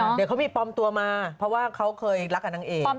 เดี๋ยวเขามีปลอมตัวมาเพราะว่าเขาเคยรักกับนางเอก